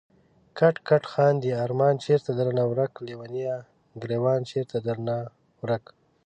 کټ کټ خاندی ارمان چېرته درنه ورک ليونيه، ګريوان چيرته درنه ورک